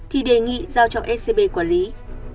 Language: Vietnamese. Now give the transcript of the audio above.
thì đề nghị giao cho scb quản lý